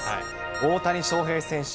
大谷翔平選手。